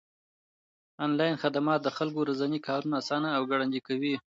انلاين خدمات د خلکو ورځني کارونه آسانه او ګړندي کوي.